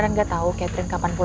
ini seposition berikutnya